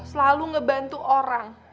selalu ngebantu orang